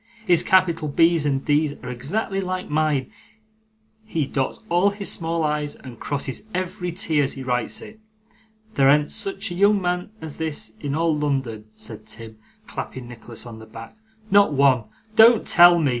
'His capital B's and D's are exactly like mine; he dots all his small i's and crosses every t as he writes it. There an't such a young man as this in all London,' said Tim, clapping Nicholas on the back; 'not one. Don't tell me!